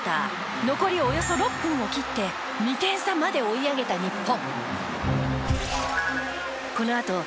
残りおよそ６分を切って２点差まで追い上げた日本。